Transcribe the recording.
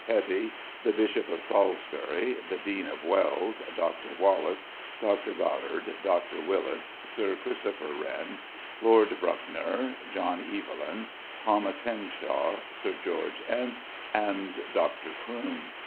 Petty, the Bishop of Salisbury, the Dean of Wells, Dr. Wallis, Dr. Goddard, Dr. Willis, Sir Christopher Wren, Lord Brouncker, John Evelyn, Thomas Henshaw, Sir George Ent, and Dr. Croone.